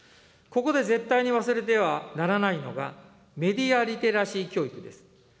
ここで絶対に忘れてはならないのがメディアリテラシー教育です。